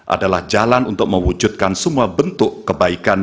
adalah jalan untuk mewujudkan semua bentuk kebaikan